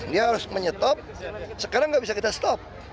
dia harus menyetop sekarang nggak bisa kita stop